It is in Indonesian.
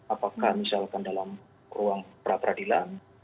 apakah misalkan dalam ruang pra peradilan